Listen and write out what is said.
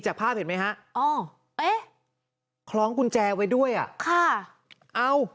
ภาพเห็นไหมฮะอ๋อเอ๊ะคล้องกุญแจไว้ด้วยอ่ะค่ะเอา